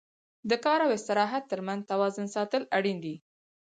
د کار او استراحت تر منځ توازن ساتل اړین دي.